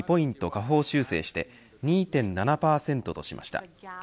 下方修正して２．７％としました。